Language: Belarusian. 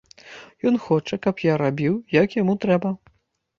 Ён хоча, каб я рабіў, як яму трэба.